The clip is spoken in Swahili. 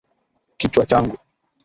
Kichwa changu.